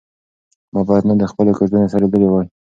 ما باید نن د خپلې کوژدنې سره لیدلي وای.